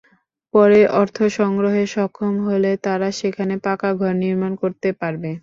পরে অর্থসংগ্রহে সক্ষম হলে তারা সেখানে পাকা ঘর নির্মাণ করতে পারবে।